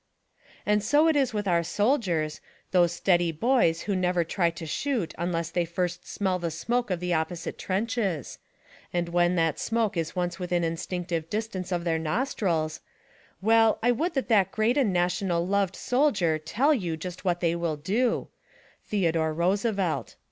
And so it is with our soldiers, those steady boys who never try to shoot unless they first smell the smoke of the opposite trenches ; and when that smoke is once within instinctive distance of their nostrils— well, I v/ould that that great and national loved soldier tell you just what they will do— Theodore Roosevelt.